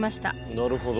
なるほど。